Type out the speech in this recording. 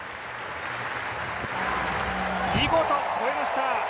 見事越えました。